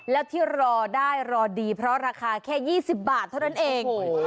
แล้วที่รอได้รอดีเพราะราคาแค่๒๐บาทเท่านั้นเอง